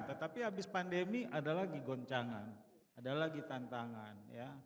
tetapi habis pandemi ada lagi goncangan ada lagi tantangan ya